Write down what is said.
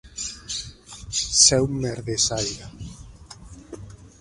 Ser un merdissaire.